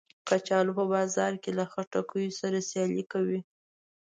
کچالو په بازار کې له خټکیو سره سیالي کوي